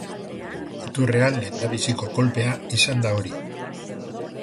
Muturrean lehendabiziko kolpea izan da hori.